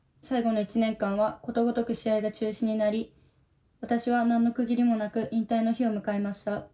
最後の１年間はことごとく試合が中止になり私は何の区切りもなく引退の日を迎えました。